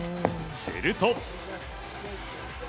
すると。